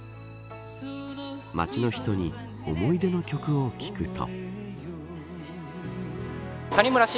街の人に思い出の曲を聞くと。